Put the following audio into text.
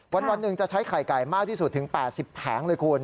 วันหนึ่งจะใช้ไข่ไก่มากที่สุดถึง๘๐แผงเลยคุณ